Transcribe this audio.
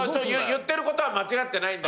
言ってることは間違ってないけど。